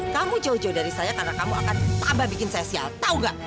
kamu jauh jauh dari saya karena kamu akan tambah bikin saya sial tau gak